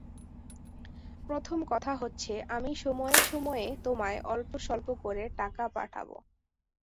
প্রথম কথা হচ্ছে, আমি সময়ে সময়ে তোমায় অল্প স্বল্প করে টাকা পাঠাব।